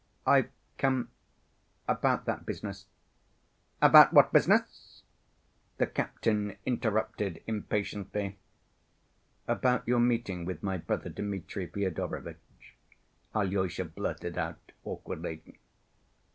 "I've come—about that business." "About what business?" the captain interrupted impatiently. "About your meeting with my brother Dmitri Fyodorovitch," Alyosha blurted out awkwardly.